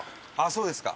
そうですか。